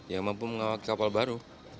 yang mampu mengawal kapal baru